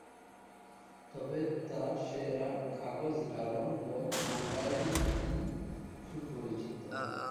তবে তার সেরা কাজ ড্রাগন বল মাঙ্গার জন্য তিনি সুপরিচিত।